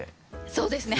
そうですね。